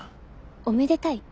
おめでたい？